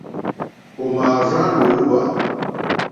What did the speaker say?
Ò mà àrzá lǒhwà.